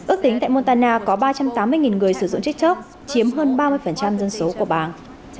ước tính tại montana có ba trăm tám mươi người sử dụng tiktok chiếm hơn ba mươi dân số của bang